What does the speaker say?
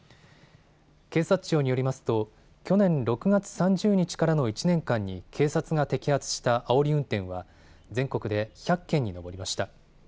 警察庁によりますと去年６月３０日からの１年間に警察が摘発したあおり運転は全国で１００件に上りました。